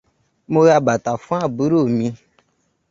Mo ra bàtà fún àbúrò mi.